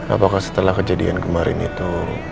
apakah setelah kejadian kemarin itu